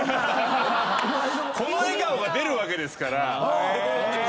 この笑顔が出るわけですから。